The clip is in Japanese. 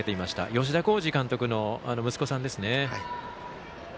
吉田洸二監督の息子さんですね。